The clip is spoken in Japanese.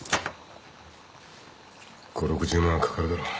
５０６０万は掛かるだろう。